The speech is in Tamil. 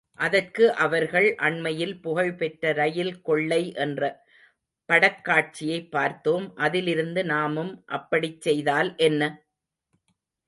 அதற்கு அவர்கள், அண்மையில் புகழ்பெற்ற ரயில் கொள்ளை என்ற படக்காட்சியைப் பார்த்தோம், அதிலிருந்து நாமும் அப்படிக் செய்தால் என்ன?